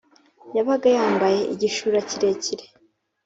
Yabaga yambaye igishura kirekire